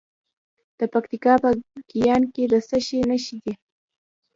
د پکتیکا په ګیان کې د څه شي نښې دي؟